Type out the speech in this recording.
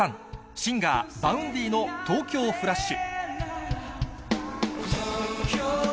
シンガー、Ｖａｕｎｄｙの東京フラッシュ。